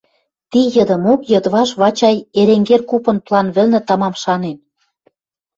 Ти йыдымок йыдвашт Вачай, Эренгер купын план вӹлнӹ тамам шанен